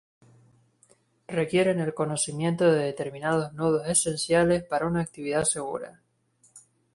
Requieren el conocimiento de determinados nudos esenciales para una actividad segura.